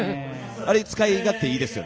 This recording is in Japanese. あれ使い勝手いいですよね。